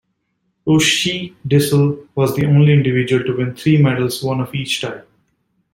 Uschi Disl was the only individual to win three medals, one of each type.